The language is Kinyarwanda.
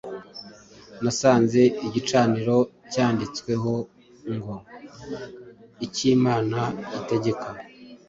nasanze igicaniro cyanditsweho ngo ‘icyimana itegeka’